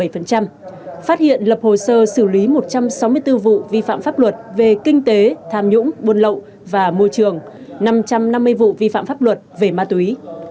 phát hiện lập hồ sơ xử lý một trăm sáu mươi bốn vụ vi phạm pháp luật về kinh tế tham nhũng buôn lậu và môi trường năm trăm năm mươi vụ vi phạm pháp luật về ma túy